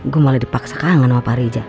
gue malah dipaksa kangen sama pak rija